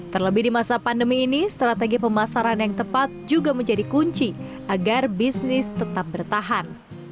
terlebih di masa pandemi ini strategi pemasaran yang tepat juga menjadi kunci agar bisnis tetap bertahan